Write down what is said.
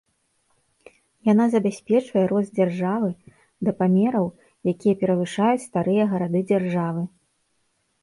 Яна забяспечвае рост дзяржавы да памераў, якія перавышаюць старыя гарады-дзяржавы.